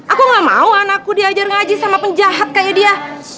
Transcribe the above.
aku gak mau anakku diajar ngaji sama penjahat kayaknya dia